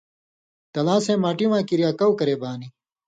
تلاں سِیں ماٹی واں کریا کؤ کرے بانیۡ